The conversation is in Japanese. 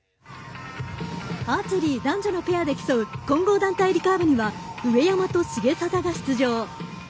アーチェリー男女のペアで競う混合団体リカーブには上山と重定が出場。